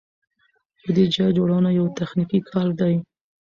بودیجه جوړونه یو تخنیکي کار دی.